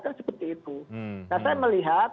kan seperti itu nah saya melihat